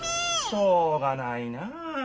しょうがないなあ。